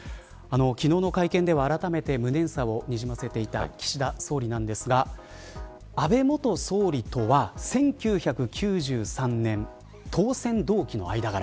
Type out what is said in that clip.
昨日の会見ではあらためて無念さをにじませていた岸田総理なんですが安倍元総理とは１９９３年当選同期の間柄。